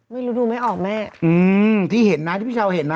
ไม่รู้ดูไม่ออกแม่อืมที่เห็นนะที่พี่ชาวเห็นอ่ะ